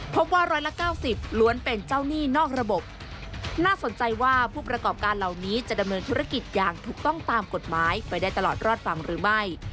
พบว่าร้อยละ๙๐ล้วนเป็นเจ้าหนี้นอกระบบน่าสนใจว่าผู้ประกอบการเหล่านี้จะดำเนินธุรกิจอย่างถูกต้องตามกฎหมายไปได้ตลอดรอดฝั่งหรือไม่